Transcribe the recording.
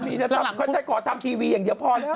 แล้วหลังออกครับฝั่งก่อนทำทีวีอย่างเดียวพอแล้ว